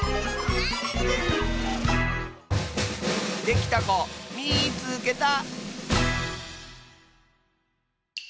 できたこみいつけた！